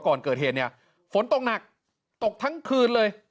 ก่อนเกิดเหตุเนี่ยฝนตกหนักตกทั้งคืนเลย